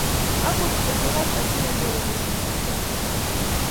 akungut ko mokornotet neo kosir tukul chechang